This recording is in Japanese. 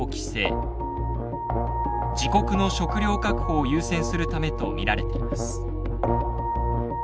自国の食料確保を優先するためと見られています。